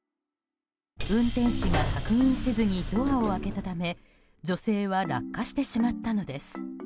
運転手が確認せずにドアを開けたため女性は落下してしまったのです。